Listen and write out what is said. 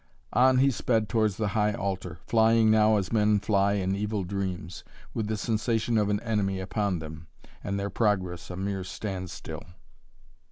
On he sped towards the high altar, flying now as men fly in evil dreams, with the sensation of an enemy upon them, and their progress a mere stand still.